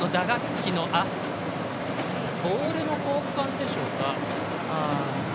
ボールの交換でしょうか。